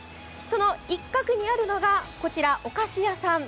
その一角にあるのがお菓子屋さん。